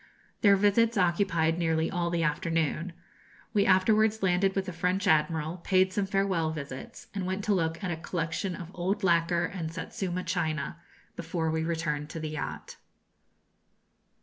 Their visits occupied nearly all the afternoon. We afterwards landed with the French admiral, paid some farewell visits, and went to look at a collection of old lacquer and Satsuma china, before we returned to the yacht.